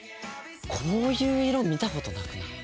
こういう色見たことなくない？